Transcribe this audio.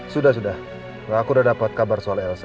sudah sudah aku sudah dapat kabar soal elsa